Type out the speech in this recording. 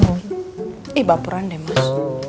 eh bapuran deh mas